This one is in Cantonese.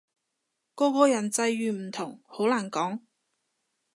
個個人際遇唔同，好難講